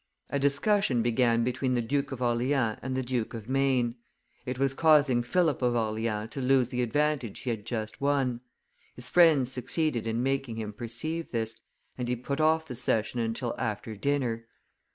A discussion began between the Duke of Orleans and the Duke of Maine; it was causing Philip of Orleans to lose the advantage he had just won; his friends succeeded in making him perceive this, and he put off the session until after dinner.